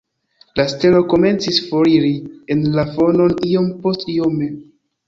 La stelo komencis foriri en la fonon iom post iome.